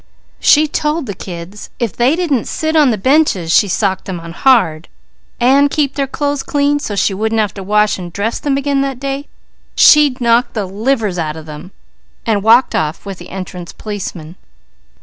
She told the kids if they didn't sit on the benches she socked them on hard, and keep their clothes clean so she wouldn't have to wash and dress them again that day, she'd knock the livers out of them, and walked off with the entrance policeman.